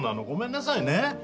ごめんなさいね。